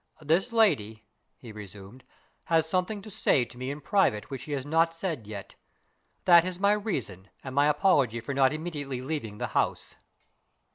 "This lady," he resumed, "has something to say to me in private which she has not said yet. That is my reason and my apology for not immediately leaving the house."